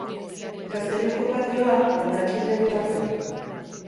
Gazteluko patioa hondakindegi bat zen.